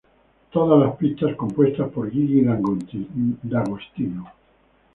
Todas las pistas compuestas por Gigi D'Agostino.